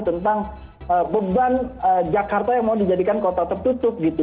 tentang beban jakarta yang mau dijadikan kota tertutup gitu